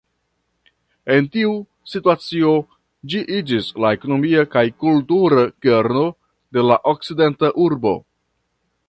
En tiu situacio ĝi iĝis la ekonomia kaj kultura kerno de la okcidenta urbo.